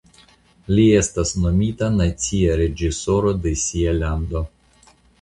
Li estas nomita nacia reĝisoro de sia lando.